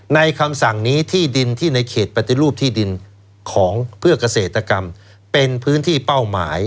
คำสั่งนี้ที่ดินที่ในเขตปฏิรูปที่ดินของเพื่อเกษตรกรรมเป็นพื้นที่เป้าหมาย